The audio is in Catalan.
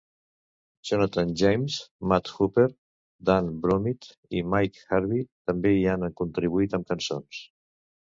Jonathan James, Matt Hooper, Dan Brummitt i Mike Harvie també hi han contribuït amb cançons.